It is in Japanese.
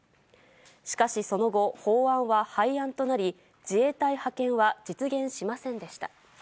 しかし、その後、法案は廃案となり、自衛隊派遣は実現しませんでした。